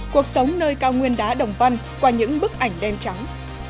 cuộc sống nơi cao nguyên đá đồng văn qua những bức ảnh đen trắng